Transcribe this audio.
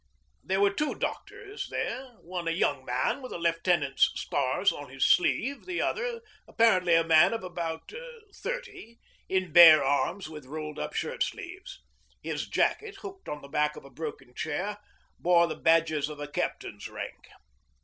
There were two doctors there one a young man with a lieutenant's stars on his sleeve; the other, apparently a man of about thirty, in bare arms with rolled up shirt sleeves. His jacket, hooked on the back of a broken chair, bore the badges of a captain's rank.